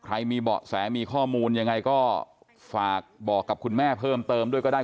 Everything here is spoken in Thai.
มีเบาะแสมีข้อมูลยังไงก็ฝากบอกกับคุณแม่เพิ่มเติมด้วยก็ได้